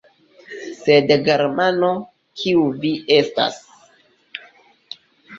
Sed, Germano, kiu vi estas!